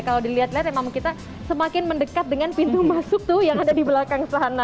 kalau dilihat lihat emang kita semakin mendekat dengan pintu masuk tuh yang ada di belakang sana